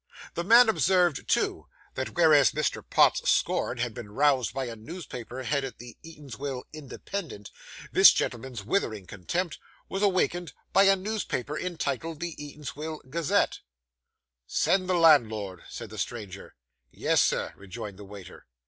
The man observed too, that, whereas Mr. Pott's scorn had been roused by a newspaper headed the Eatanswill Independent, this gentleman's withering contempt was awakened by a newspaper entitled the Eatanswill Gazette. 'Send the landlord,' said the stranger. 'Yes, sir,' rejoined the waiter.